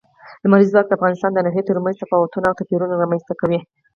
لمریز ځواک د افغانستان د ناحیو ترمنځ تفاوتونه او توپیرونه رامنځ ته کوي.